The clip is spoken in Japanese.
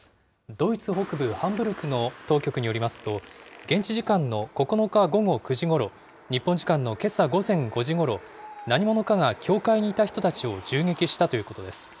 ドイツ北部ハンブルクの当局によりますと、現地時間の９日午後９時ごろ、日本時間のけさ午前５時ごろ、何者かが教会にいた人たちを銃撃したということです。